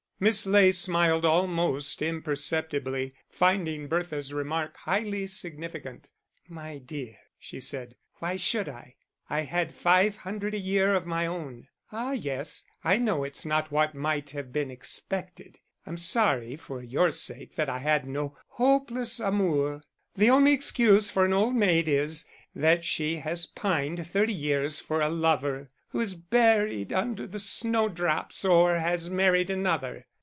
Miss Ley smiled almost imperceptibly, finding Bertha's remark highly significant. "My dear," she said, "why should I? I had five hundred a year of my own.... Ah yes, I know it's not what might have been expected; I'm sorry for your sake that I had no hopeless amour. The only excuse for an old maid is, that she has pined thirty years for a lover who is buried under the snow drops, or has married another."